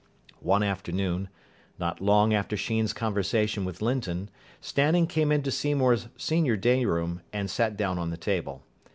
One afternoon, not long after Sheen's conversation with Linton, Stanning came into Seymour's senior day room and sat down on the table.